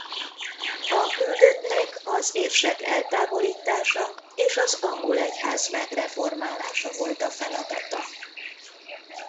A küldöttnek az érsek eltávolítása és az angol egyház megreformálása volt a feladata.